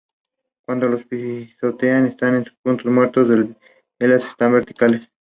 Cuando los pistones están en sus puntos muertos, las bielas están verticales.